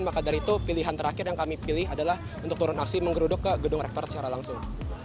maka dari itu pilihan terakhir yang kami pilih adalah untuk turun aksi menggeruduk ke gedung rektorat secara langsung